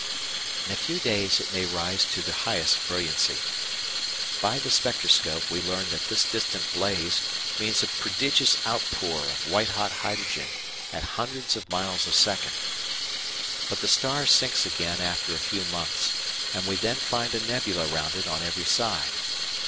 In a few days it may rise to the highest brilliancy. By the spectroscope we learn that this distant blaze means a prodigious outpour of white hot hydrogen at hundreds of miles a second. But the star sinks again after a few months, and we then find a nebula round it on every side.